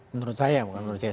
menurut saya bukan menurut saya